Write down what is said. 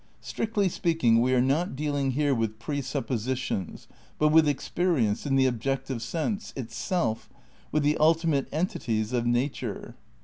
Strictly speaking, we are not dealing here with presup positions, but with experience, in the objective sense, itself, with the ultimate entities of nature.